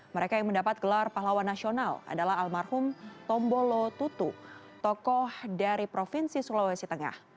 mereka yang mendapat gelar pahlawan nasional adalah almarhum tombolo tutu tokoh dari provinsi sulawesi tengah